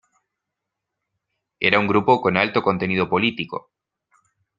Era un grupo con alto contenido político.